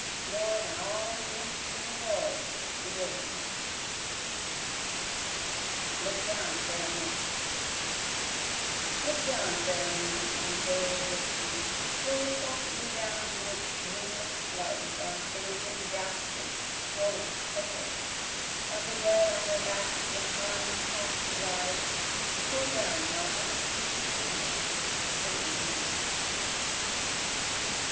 more than all the gifts of the world you gave me. Look Down Fair Moon Look down fair moon and bathe this scene, Pour softly down night's nimbus floods on faces ghastly, swollen, purple, On the dead on their backs with arms toss'd wide, Pour down your unstinted nimbus sacred moon.